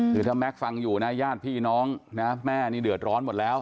คือถ้าแก๊กฟังอยู่นะญาติพี่น้องนะแม่นี่เดือดร้อนหมดแล้ว